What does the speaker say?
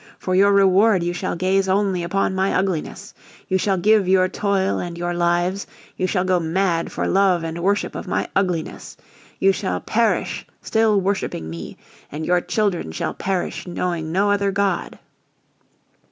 For your reward you shall gaze only upon my ugliness. You shall give your toil and your lives, you shall go mad for love and worship of my ugliness! You shall perish still worshipping Me, and your children shall perish knowing no other god!"